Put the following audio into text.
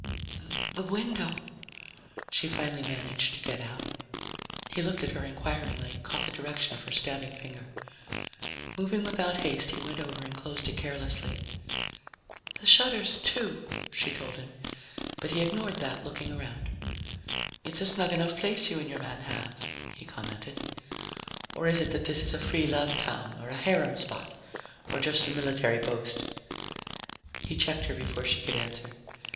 "The window," she finally managed to get out. He looked at her inquiringly, caught the direction of her stabbing finger. Moving without haste, he went over and closed it carelessly. "The shutters, too," she told him, but he ignored that, looking around. "It's a snug enough place you and your man have," he commented. "Or is it that this is a free love town or a harem spot, or just a military post?" He checked her before she could answer.